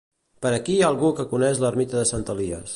Per aquí hi ha algú que coneix l'ermita de Sant Elies